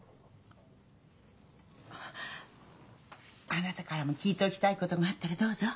あなたからも聞いておきたいことがあったらどうぞ。